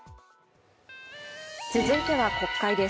続いては国会です。